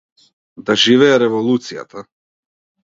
Да живее Револуцијата.